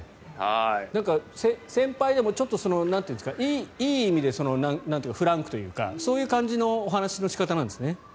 先輩でもいい意味でフランクというかそういう感じのお話の仕方なんですね？